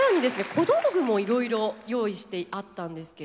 小道具もいろいろ用意してあったんですけれど。